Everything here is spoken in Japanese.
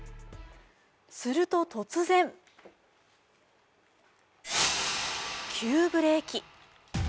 すると突然、急ブレーキ。